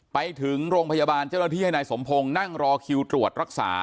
ไปถึงโรงพยาบาลเจ้าหน้าที่ให้นายสมพงศ์นั่งรอคิวตรวจรักษา